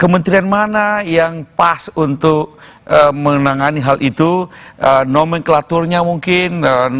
kementerian mana yang pas untuk menangani hal itu nomenklaturnya mungkin